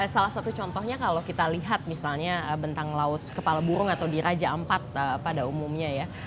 salah satu contohnya kalau kita lihat misalnya bentang laut kepala burung atau di raja ampat pada umumnya ya